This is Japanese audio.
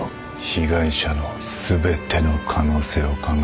被害者の全ての可能性を考えてみろ